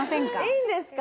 いいんですか？